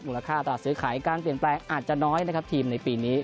ค่าตลาดซื้อขายการเปลี่ยนแปลงอาจจะน้อยนะครับทีมในปีนี้